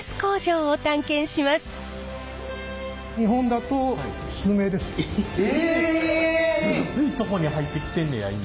すごいとこに入ってきてんねや今。